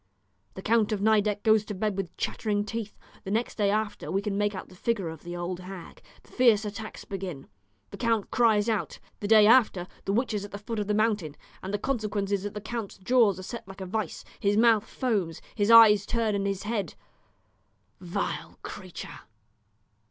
The Count of Nideck goes to bed with chattering teeth. The next day again we can make out the figure of the old hag; the fierce attacks begin; the count cries out. The day after, the witch is at the foot of the mountain, and the consequence is that the count's jaws are set like a vice; his mouth foams; his eyes turn in his head. Vile creature!